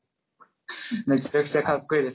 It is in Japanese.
めちゃくちゃかっこいいですね。